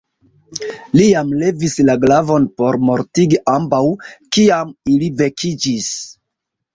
Li jam levis la glavon por mortigi ambaŭ, kiam ili vekiĝis.